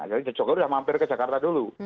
jadi jokowi sudah mampir ke jakarta dulu